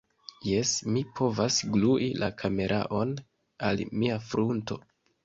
Jes, mi povas glui la kameraon al mia frunto